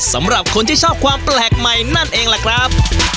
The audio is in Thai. สำหรับคนที่ชอบความแปลกใหม่นั่นเองล่ะครับ